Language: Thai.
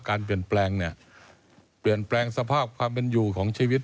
การเปลี่ยนแปลงเนี่ยเปลี่ยนแปลงสภาพความเป็นอยู่ของชีวิต